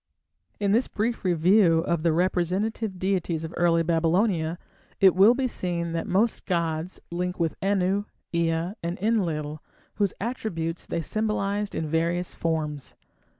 In this brief review of the representative deities of early Babylonia, it will be seen that most gods link with Anu, Ea, and Enlil, whose attributes they symbolized in various forms.